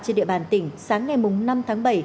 trên địa bàn tỉnh sáng ngày năm tháng bảy